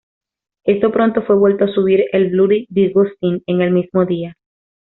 Esto pronto fue vuelto a subir el "Bloody Disgusting" en el mismo día.